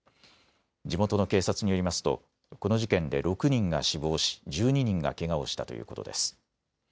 地元の警察によりますとこの事件で６人が死亡し１２人がけがをしたということです。